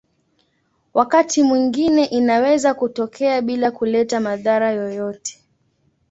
Wakati mwingine inaweza kutokea bila kuleta madhara yoyote.